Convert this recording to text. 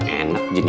wei makasih lo